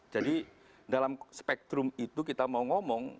jadi dalam spektrum itu kita mau ngomong